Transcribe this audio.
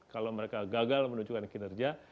kalau mereka gagal menunjukkan kinerja